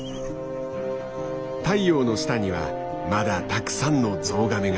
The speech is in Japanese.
太陽の下にはまだたくさんのゾウガメがいる。